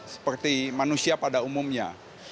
seperti manusia pada umumnya